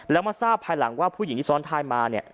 แล้วมาทราบภายหลังว่าผู้หญิงที่ซ้อนท้ายมาเนี่ย